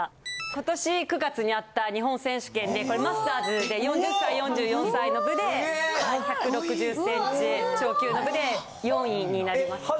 今年９月にあった日本選手権でこれマスターズで４０歳４４歳の部で１６０ｃｍ超級の部で４位になりました。